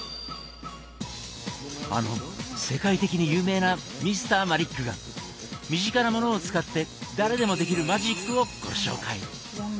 あの世界的に有名なＭｒ．マリックが身近なものを使って誰でもできるマジックをご紹介。